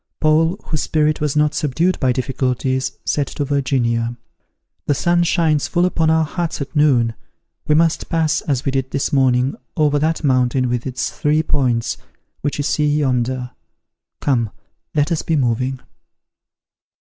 Paul, whose spirit was not subdued by difficulties, said to Virginia, "The sun shines full upon our huts at noon: we must pass, as we did this morning, over that mountain with its three points, which you see yonder. Come, let us be moving."